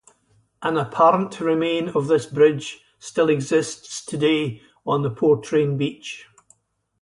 An apparent remain of this bridge still exists today, on the Portrane beach.